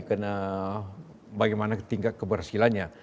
karena bagaimana tingkat keberhasilannya